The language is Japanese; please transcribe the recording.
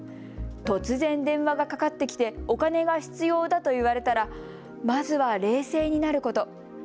突然、電話がかかってきてお金が必要だと言われたらまずは冷静になること。